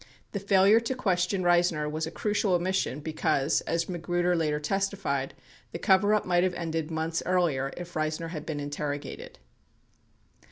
25 The failure to question Reisner was a crucial omission because, as Magruder later testified, the coverup might have ended months earlier if Reisner had been interrogated.